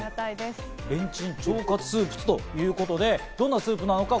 レンチン腸活スープということで、どんなスープなのか？